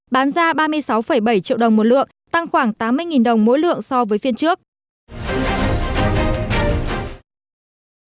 bán ra ba mươi sáu bảy triệu đồng một lượng tăng khoảng tám mươi đồng mỗi lượng so với phiên trước